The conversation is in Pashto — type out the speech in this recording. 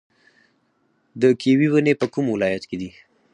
د کیوي ونې په کوم ولایت کې دي؟